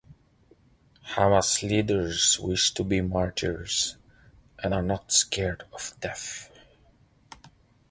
Hamas leaders wish to be martyrs and are not scared of death.